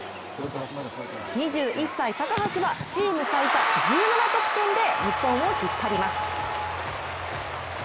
２１歳・高橋はチーム最多１７得点で日本を引っ張ります。